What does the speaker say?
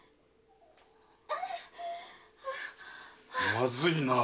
まずいなあ。